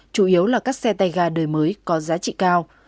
chủ yếu là các xe tay ga đời mới có giá trị cao